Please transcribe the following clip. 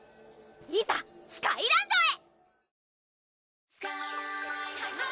いざスカイランドへ！